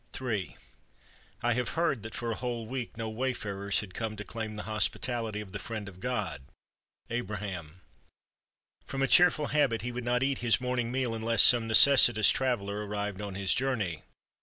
Ill I have heard that for a whole week no wayfarers had come to claim the hospitality of the Friend of God [Abraham]. From a cheerful habit he would not eat his morning meal unless some necessitous traveler arrived on his journey.